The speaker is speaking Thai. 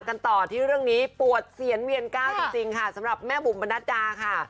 กันต่อที่เรื่องนี้ปวดเสียนเวียนก้าวจริงค่ะสำหรับแม่บุ๋มประนัดดาค่ะ